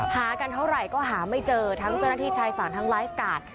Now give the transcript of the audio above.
หากันเท่าไหร่ก็หาไม่เจอทั้งเจ้าหน้าที่ชายฝั่งทั้งไลฟ์การ์ด